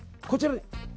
こちらに。